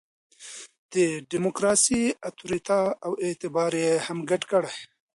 د ډیموکراسي اُتوریته او اعتبار یې هم ګډ کړي.